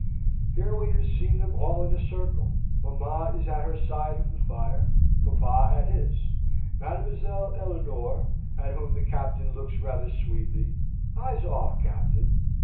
Here we have them all in a circle: mamma is at her side of the fire, papa at his; Mademoiselle Eleonore, at whom the Captain looks rather sweetly (eyes off, Captain!)